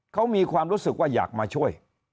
เขามีความรู้สึกว่าอยากมาช่วย